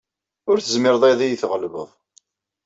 Ur tezmireḍ ad yi-tɣelbeḍ.